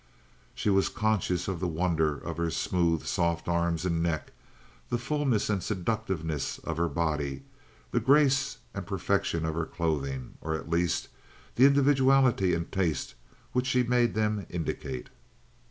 She was conscious of the wonder of her smooth, soft arms and neck, the fullness and seductiveness of her body, the grace and perfection of her clothing, or, at least, the individuality and taste which she made them indicate.